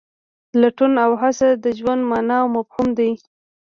لټون او هڅه د ژوند مانا او مفهوم دی.